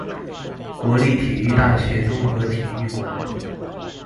國立體育大學綜合體育館